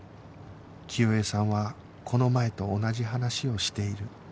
清江さんはこの前と同じ話をしている